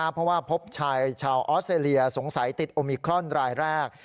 เพราะว่าพบชายชาวออสเตรเลียสงสัยติดโอมิครอนรายแรก